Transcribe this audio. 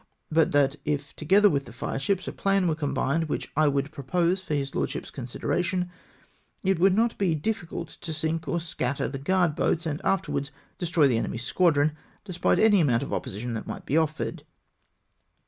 But that if, together with the fire ships, a plan were combined which I would propose for his Lordship's consideration, it would not be difficult to sink or scatter the guard boats, and afterwards destroy the enemy's squadron, despite any amount of opposition that might be ofiered.